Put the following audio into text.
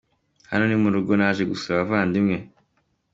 Hano ni mu rugo, naje gusura abavandimwe’.